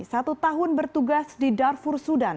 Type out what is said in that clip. satu tahun bertugas di darfur sudan